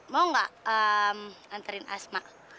mau nggak anterin asma